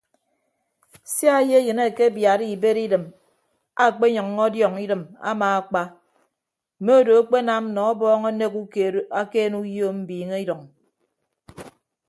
Sia eyeyịn akebiatta ibed idịm akpenyʌññọ ọdiọñ idịm amaakpa mme odo akpenam nọ ọbọọñ anek ukeed akeene uyo mbiiñe idʌñ.